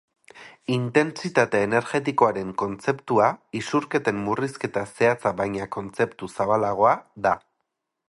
Intentsitate energetikoaren kontzeptua isurketen murrizketa zehatza baina kontzeptu zabalagoa da.